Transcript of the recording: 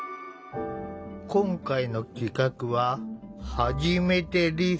今回の企画は「はじめてリスト」。